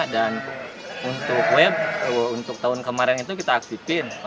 dan untuk web untuk tahun kemarin itu kita aktifin